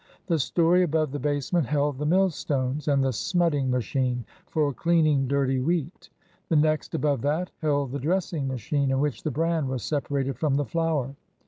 The story above the basement held the millstones and the "smutting" machine, for cleaning dirty wheat. The next above that held the dressing machine, in which the bran was separated from the flour.